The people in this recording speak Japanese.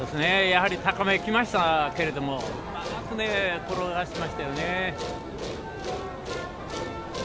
やはり高めきましたけれどもうまく転がしましたよね。